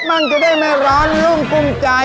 มั้งจะได้ไม่ร้อนลูกมึงใจ